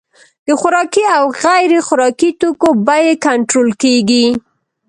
د خوراکي او غیر خوراکي توکو بیې کنټرول کیږي.